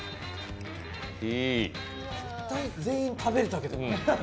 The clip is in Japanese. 絶対全員食べれたけど。